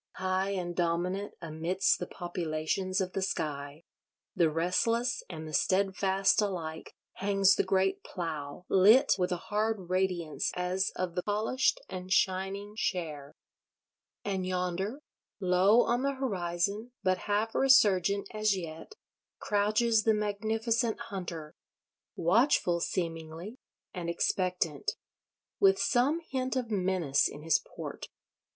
High and dominant amidst the Populations of the Sky, the restless and the steadfast alike, hangs the great Plough, lit with a hard radiance as of the polished and shining share. And yonder, low on the horizon, but half resurgent as yet, crouches the magnificent hunter: watchful, seemingly, and expectant: with some hint of menace in his port.